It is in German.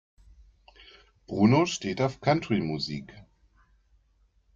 Bruno steht auf Country-Musik.